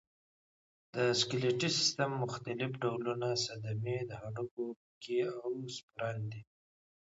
د سکلیټي سیستم مختلف ډول صدمې د هډوکو پوکی او سپرن دی.